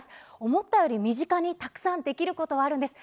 思ったより身近にたくさんできることはあるんです。